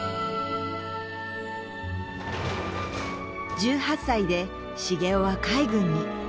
１８歳で繁雄は海軍に。